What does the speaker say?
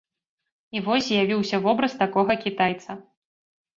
І вось з'явіўся вобраз такога кітайца.